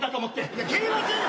いや蹴れませんよ。